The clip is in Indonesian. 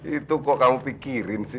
itu kok kamu pikirin sih